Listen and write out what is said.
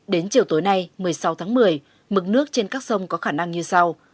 đến chiều tối nay một mươi sáu tháng một mươi mực nước trên các sông có khả năng như sau